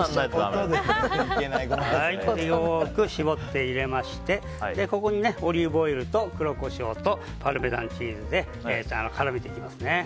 これをよく絞って入れましてここにオリーブオイルと黒コショウとパルメザンチーズで絡めていきます。